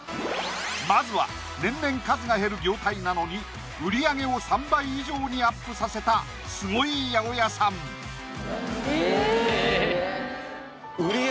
まずは年々数が減る業界なのに売り上げを３倍以上にＵＰさせたスゴい八百屋さんえ！